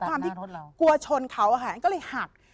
กลัวชนเขาอ่ะค่ะก็เลยหัก